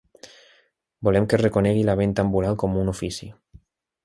Volem que es reconegui la venta ambulant com un ofici.